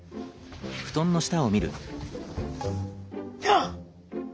あっ！